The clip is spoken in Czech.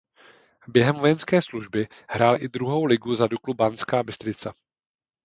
Během vojenské služby hrál i druhou ligu za Duklu Banská Bystrica.